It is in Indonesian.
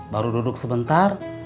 baru duduk sebentar